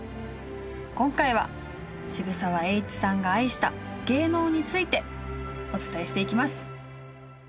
今回は渋沢栄一さんが愛した芸能についてお伝えしていきます。